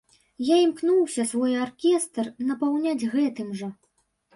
Я імкнуся свой аркестр напаўняць гэтым жа.